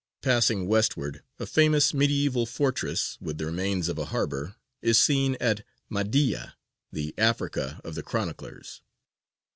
Passing westward, a famous medieval fortress, with the remains of a harbour, is seen at Mahdīya, the "Africa" of the chroniclers.